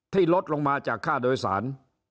ลดลงมาจากค่าโดยสาร